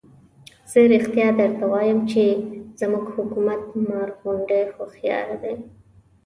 زه رښتیا درته وایم چې زموږ حکومت مار غوندې هوښیار دی.